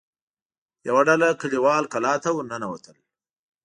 يوه ډله کليوال کلا ته ور ننوتل.